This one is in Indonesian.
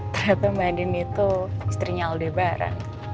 ternyata mbak din itu istrinya aldebaran